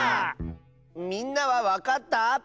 みんなはわかった？